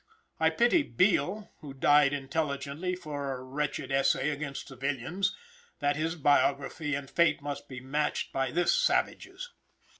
I pity Beall, who died intelligently for a wretched essay against civilians, that his biography and fate must be matched by this savage's!